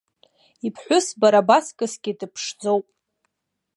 Иԥҳәыс бара баҵкысгьы дыԥшӡоуп.